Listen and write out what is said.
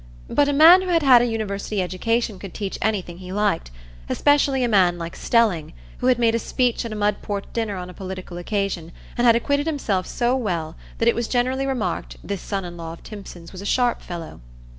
But a man who had had a university education could teach anything he liked; especially a man like Stelling, who had made a speech at a Mudport dinner on a political occasion, and had acquitted himself so well that it was generally remarked, this son in law of Timpson's was a sharp fellow.